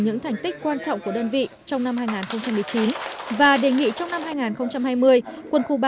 những thành tích quan trọng của đơn vị trong năm hai nghìn một mươi chín và đề nghị trong năm hai nghìn hai mươi quân khu ba